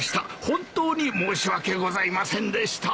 本当に申し訳ございませんでした。